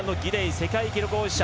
世界記録保持者。